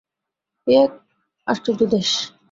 এ এক আশ্চর্য দেশ।